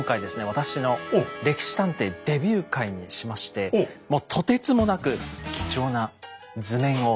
私の「歴史探偵」デビュー回にしましてもうとてつもなく貴重な図面を。